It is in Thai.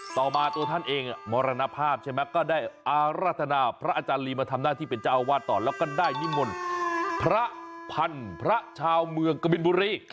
ต่อมาตัวท่านเองมรณภาพใช่ไหมก็ได้อาราธนาพระอาจารย์ลีมาทำหน้าที่เป็นเจ้าอาวาสต่อแล้วก็ได้นิมนต์พระพันพระชาวเมืองกบินบุรี